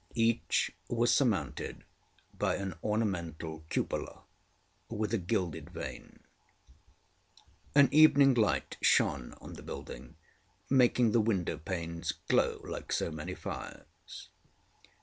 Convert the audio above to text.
Each was surmounted by an ornamental cupola with a gilded vane. An evening light shone on the building, making the window panes glow like so many fires.